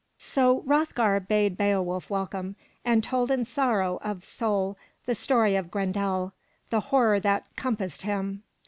'' So Hroth'gar bade Beowulf welcome, and told in sorrow of soul the story of Grendel, the horror that compassed him.